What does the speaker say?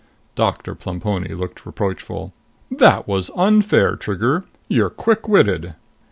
Doctor Plemponi looked reproachful. "That was unfair, Trigger! You're quick witted."